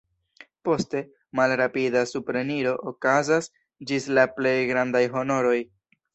Poste, malrapida supreniro okazas ĝis la plej grandaj honoroj.